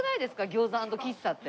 餃子＆喫茶って。